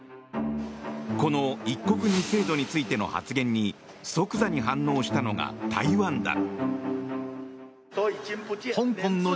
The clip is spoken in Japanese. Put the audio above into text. この一国二制度についての発言に即座に反応したのが台湾だ。